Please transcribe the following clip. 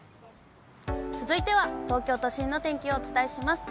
続いては、東京都心の天気をお伝えします。